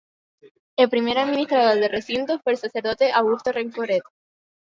El primer administrador del recinto fue el sacerdote Augusto Rencoret.